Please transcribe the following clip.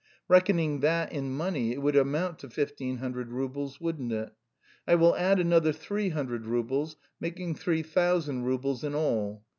Reckoning that in money it would amount to fifteen hundred roubles, wouldn't it? I will add another three hundred roubles, making three thousand roubles in all.